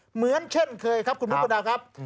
เหมือนเช่นเคยครับคุณมุกประดาวครับ